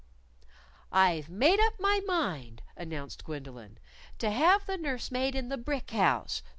"I've made up my mind," announced Gwendolyn, "to have the nurse maid in the brick house.